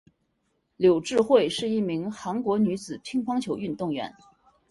柳智惠是一名韩国女子乒乓球运动员。